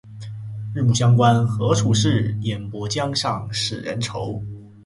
日暮乡关何处是？烟波江上使人愁。